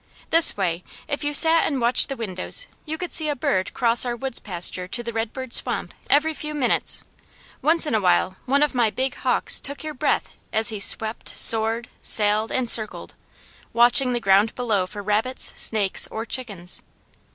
This way, if you sat and watched the windows you could see a bird cross our woods pasture to the redbird swamp every few minutes; once in a while one of my big hawks took your breath as he swept, soared, sailed, and circled, watching the ground below for rabbits, snakes, or chickens.